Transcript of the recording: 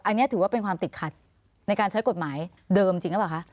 อันนี้ถือว่าเป็นความติดขัดในการใช้กฎหมายเดิมจริงหรือเปล่าคะ